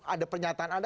ada pernyataan anda